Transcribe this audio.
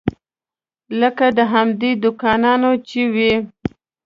لکه د همدې دوکاندارانو چې وي.